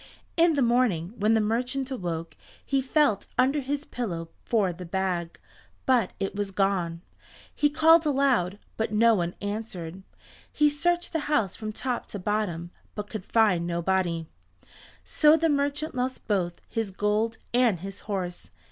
In the morning, when the merchant awoke, he felt under his pillow for the bag, but it was gone. He called aloud, but no one answered. He searched the house from top to bottom, but could find nobody. So the merchant lost both his gold and his horse.